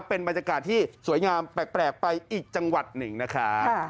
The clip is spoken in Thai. เป็นบรรยากาศที่สวยงามแปลกไปอีกจังหวัดหนึ่งนะครับ